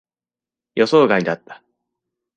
予想外だった。